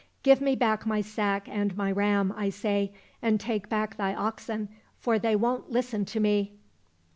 Give me back my sack and my ram, I say, and take back thy oxen, for they won't listen to me